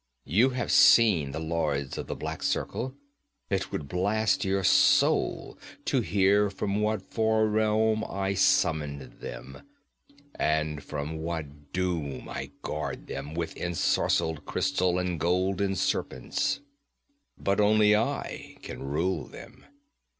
You have seen the Lords of the Black Circle it would blast your soul to hear from what far realm I summoned them and from what doom I guard them with ensorcelled crystal and golden serpents. 'But only I can rule them.